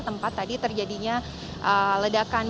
tempat tadi terjadinya ledakan